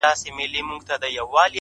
چي زړېږم مخ مي ولي د دعا پر لوري سم سي-